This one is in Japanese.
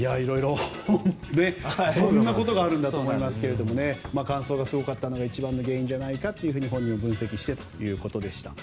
そんなことがあるんだと思いましたが乾燥がすごかったのが一番の原因じゃないかと本人は分析していたということでした。